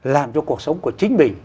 làm cho cuộc sống của chính mình